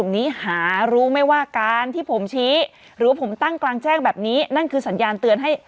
นี้หารู้ไหมว่าการที่ผมชี้หรือผมตั้งกลางแจ้งแบบนี้นั่นคือสัญญาณเตือนให้